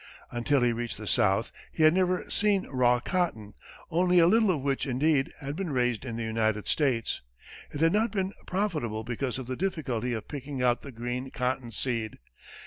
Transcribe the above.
Until he reached the South, he had never seen raw cotton, only a little of which, indeed, had been raised in the United States. It had not been profitable because of the difficulty of picking out the green cottonseed.